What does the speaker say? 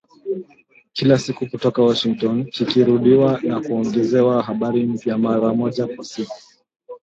Kila siku kutoka Washington, kikirudiwa na kuongezewa habari mpya, mara moja kwa siku.